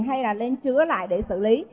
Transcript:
hay là lên chứa lại để xử lý